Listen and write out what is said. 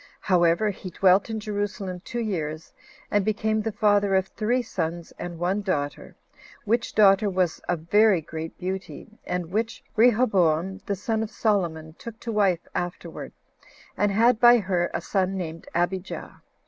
However, he dwelt in Jerusalem two years, and became the father of three sons, and one daughter; which daughter was of very great beauty, and which Rehoboam, the son of Solomon, took to wife afterward, and had by her a son named Abijah.